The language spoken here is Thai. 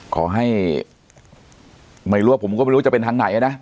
ขอให้ไม่รู้ว่าผมก็ไม่รู้จะเป็นทางไหนนะ